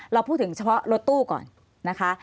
เราพูดถึงเฉพาะรถตู้ก่อนนะคะ